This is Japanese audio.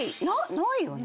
ないよね？